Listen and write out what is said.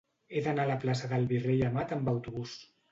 He d'anar a la plaça del Virrei Amat amb autobús.